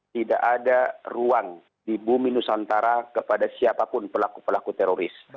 tidak ada ruang di bumi nusantara kepada siapapun pelaku pelaku teroris